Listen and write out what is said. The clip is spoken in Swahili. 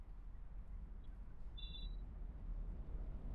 vifaa vinavyahitajika katika kupika viazi lishe